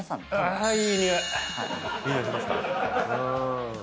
いい匂いしますか。